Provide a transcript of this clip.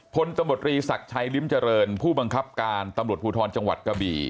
พลตำรวจรีศักดิ์ชัยลิ้มเจริญผู้บังคับการตำรวจภูทรจังหวัดกะบี่